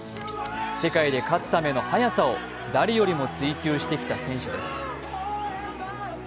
世界で勝つための速さを誰よりも追求してきた選手です。